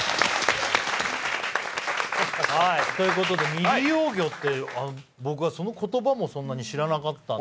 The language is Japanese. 未利用魚って、僕はその言葉もそんなに知らなかったので。